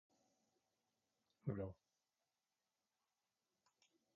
Monsarrat was born in Kendal.